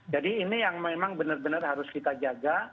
jadi ini yang memang benar benar harus kita jaga